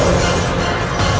amin ya rukh alamin